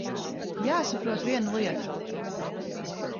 J?saprot viena lieta.